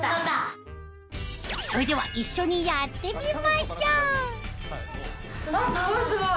それでは一緒にやってみましょうすごいすごい！